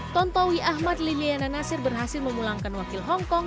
tontowi ahmad liliana nasir berhasil memulangkan wakil hongkong